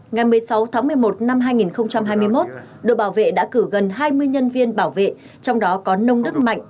ngày một mươi sáu tháng một mươi một năm hai nghìn hai mươi một đội bảo vệ đã cử gần hai mươi nhân viên bảo vệ trong đó có nông đức mạnh